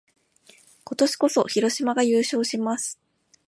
今年こそ、広島が優勝します！